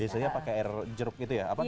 biasanya pakai air jeruk gitu ya